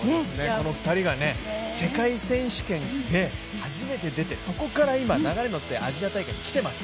この２人が世界選手権初めて出て、そこから流れに乗ってアジア大会に来てます。